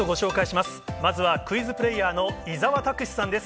まずはクイズプレーヤーの伊沢拓司さんです。